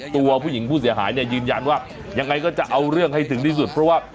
ตัวผู้หญิงผู้เสียหายเนี่ยยืนยันว่ายังไงก็จะเอาเรื่องให้ถึงที่สุดเพราะว่า